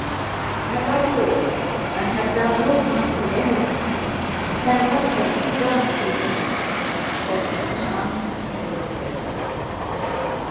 "I love you all, and have done no harm to anyone; and what have you done to me?"—said her charming, pathetic, dead face.